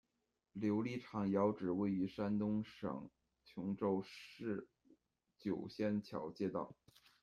琉璃厂窑址，位于山东省兖州市酒仙桥街道。